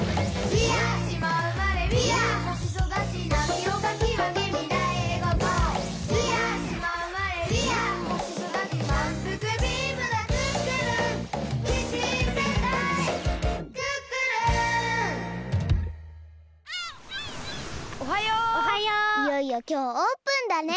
いよいよきょうオープンだね。